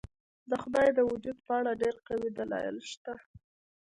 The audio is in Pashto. د خدای د وجود په اړه ډېر قوي دلایل شته.